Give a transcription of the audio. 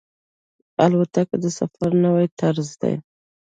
الوتکه د سفر نوی طرز دی.